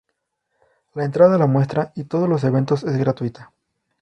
La entrada a la muestra y todos los eventos es gratuita.